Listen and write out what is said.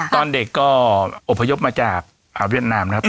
ตอนเด็กก็อบพยพมาจากเวียดนามนะครับ